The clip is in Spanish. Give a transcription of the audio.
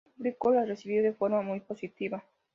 El público la recibió de forma muy positiva.